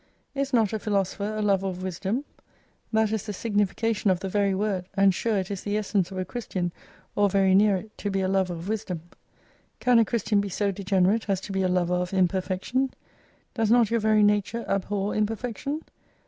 Is not a Philosopher a lover of wisdom ? That is the signification of the very word, and sure it is the essence of a Cheistian, or very near it, to be a lover of wisdom. Can a Christian be so degenerate as to be a lover of imperfection ? Does not your very nature abhor imperfection